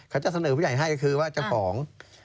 เขาจะเสนอผู้ใหญ่ให้ก็คือว่าเจ้าของ